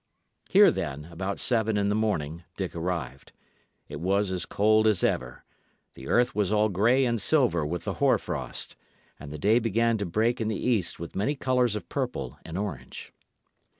Here, then, about seven in the morning, Dick arrived. It was as cold as ever; the earth was all grey and silver with the hoarfrost, and the day began to break in the east with many colours of purple and orange.